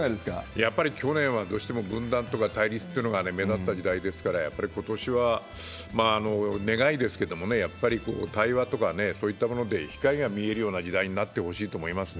やっぱり去年はどうしても分断とか対立というのが目立った時代ですから、やっぱりことしは、願いですけれども、やっぱり対話とかね、そういったもので、光が見えるような時代になってほしいと思いますね。